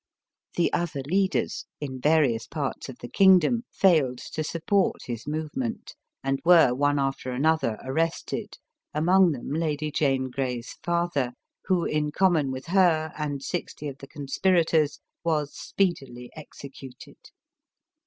The other leaders^ in various parts of the kingdom, failed to support his movement, and were one after another arrested, among them Lady Jane Grey's father, who, in common with her and sixty of the conspirators, was speedily executed.